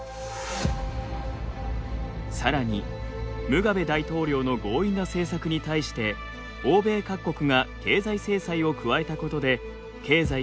さらにムガベ大統領の強引な政策に対して欧米各国が経済制裁を加えたことで経済が極端に悪化。